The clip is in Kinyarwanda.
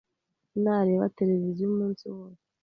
Nareba televiziyo umunsi wose.